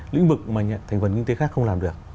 lĩnh vực mà thành phần kinh tế khác không làm được